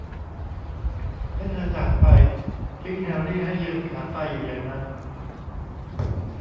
และเธอจากไป ทิ้งแฮรี่ให้ยืนขาตายอยู่อย่างนั้น